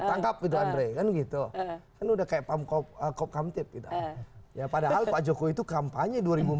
tangkap gitu andre kan gitu kan udah kayak pamkop kopkamtip gitu ya padahal pak jokowi itu kampanye dua ribu empat belas